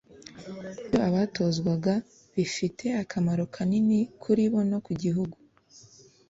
ibyo abatozwaga bifite akamaro kanini kuri bo no ku gihugu